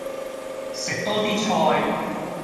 食多啲菜